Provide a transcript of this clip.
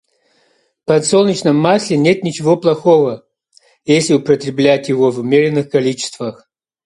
В подсолнечном масле нет ничего плохого, если употреблять его в умеренных количествах.